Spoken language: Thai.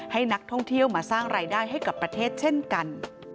ให้นักท่องเที่ยวมาสร้างรายได้ให้กับประเทศเช่นกัน